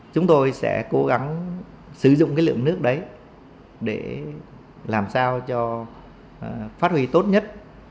chúng tôi sẽ cố gắng sử dụng cái lượng nước đấy để làm sao cho phát huy tốt nhất